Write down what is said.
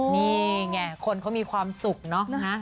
นี่ไงคนเขามีความสุขเนอะ